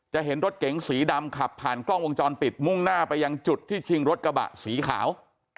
เห็นรถเก๋งสีดำขับผ่านกล้องวงจรปิดมุ่งหน้าไปยังจุดที่ชิงรถกระบะสีขาว